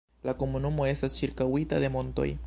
La komunumo estas ĉirkaŭita de montoj.